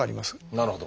なるほど。